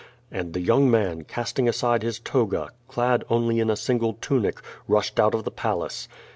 And the young man, casting aside his toga, clad only in a single tunic, rushed out of the palace.